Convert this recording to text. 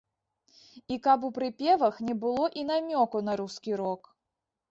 І каб у прыпевах не было і намёку на рускі рок.